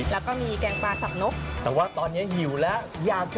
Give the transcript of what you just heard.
แล้วก็มีปลาน้ำออก